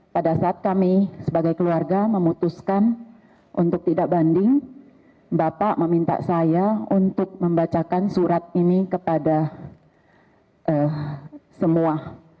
pada saat kami sebagai keluarga memutuskan untuk tidak banding bapak meminta saya untuk membacakan surat ini kepada semua